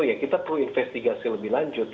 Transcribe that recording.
ya kita perlu investigasi lebih lanjut